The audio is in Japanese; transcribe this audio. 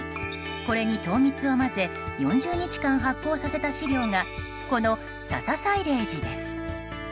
これに糖蜜を混ぜ４０日間発酵させた飼料がこの笹サイレージです。